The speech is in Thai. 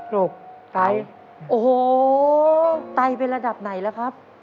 ลูกไตโอ้โหไตเป็นระดับไหนแล้วครับ